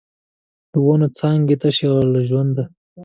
د ونو څانګې تشې له ژونده